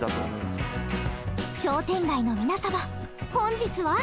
商店街の皆様本日は。